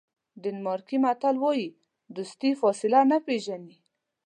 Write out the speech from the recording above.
ډنمارکي متل وایي دوستي فاصله نه پیژني.